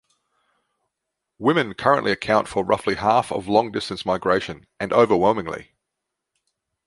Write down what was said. Women currently account for roughly half of long-distance migration, and overwhelmingly.